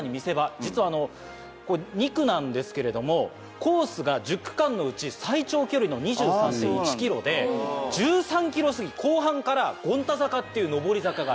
実は２区なんですけどコースが１０区間のうち最長距離の２３．１ｋｍで１３ｋｍすぎ後半から権太坂っていう上り坂がある。